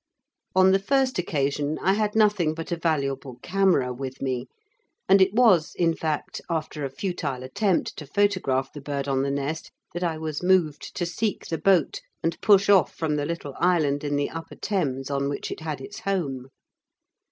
On the first occasion, I had nothing but a valuable camera with me, and it was, in fact, after a futile attempt to photograph the bird on the nest that I was moved to seek the boat and push off from the little island in the Upper Thames on which it had its home.